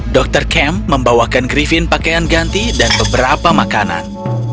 dokter cam membawakan griffin pakaian ganti dan beberapa makanan